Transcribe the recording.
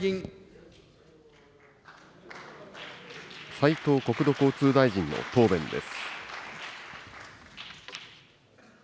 斉藤国土交通大臣の答弁です。